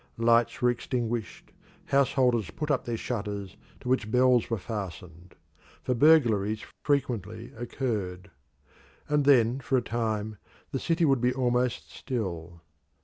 Lights were extinguished, householders put up their shutters, to which bells were fastened for burglaries frequently occurred. And then for a time the city would be almost still.